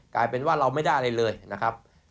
กลายเป็นว่าเราไม่ได้อะไรเลยนะครับ